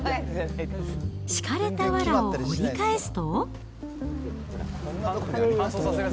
敷かれたわらを掘り返すと。